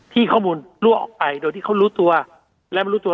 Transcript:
ข้อมูลรั่วออกไปโดยที่เขารู้ตัวและไม่รู้ตัว